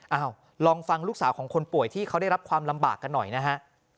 ลองฟังลูกสาวของคนป่วยที่เขาได้รับความลำบากกันหน่อยนะฮะ